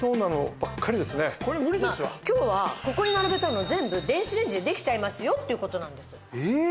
今日はここに並べたの全部電子レンジでできちゃいますよっていう事なんですよ。